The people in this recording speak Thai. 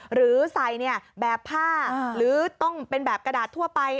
หรือใส่แบบผ้าหรือต้องเป็นแบบกระดาษทั่วไป